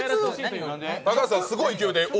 高橋さん、すごい勢いｄえ